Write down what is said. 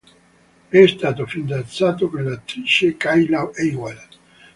È stato fidanzato con l'attrice Kayla Ewell.